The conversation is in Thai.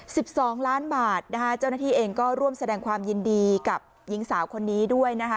สิบสองล้านบาทนะคะเจ้าหน้าที่เองก็ร่วมแสดงความยินดีกับหญิงสาวคนนี้ด้วยนะคะ